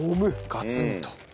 ガツンと。